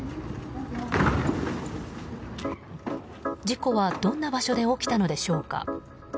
事故は、どんな場所で起きたのでしょうか。